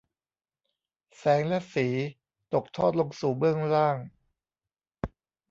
แสงและสีตกทอดลงสู่เบื้องล่าง